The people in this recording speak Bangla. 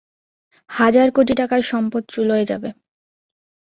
হাজার কোটি টাকার সম্পদ চুলোয় যাবে।